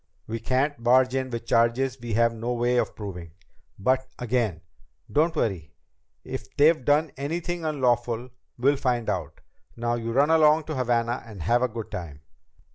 We can't barge in with charges we have no way of proving. But again, don't worry. If they've done anything unlawful, we'll find out. Now you run along to Havana and have a good time."